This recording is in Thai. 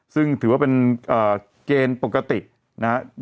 ซึ่งถือว่าเป็นเกณฑ์ปกตินะครับ